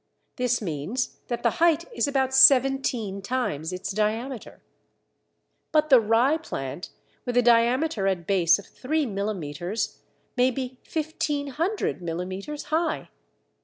This means that the height is about seventeen times its diameter. But the Ryeplant, with a diameter at base of 3 millimetres, may be 1500 mm. high!